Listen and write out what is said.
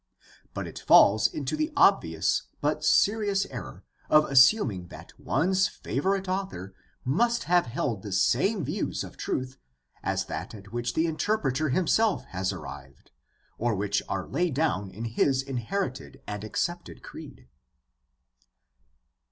But it falls into the obvious but serious error of assuming that one's favorite author must have held the same views of truth as that at which the inter preter himself has arrived or which are laid down in his inherited and accepted creed.